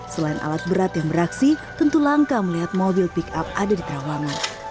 selain alat berat yang beraksi tentu langka melihat mobil pick up ada di terawangan